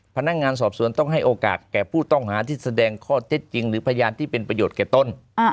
พนักงานสอบสวนต้องให้โอกาสแก่ผู้ต้องหาที่แสดงข้อเท็จจริงหรือพยานที่เป็นประโยชน์แก่ต้น